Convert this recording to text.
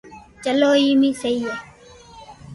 چلو ايم اي سھي ھي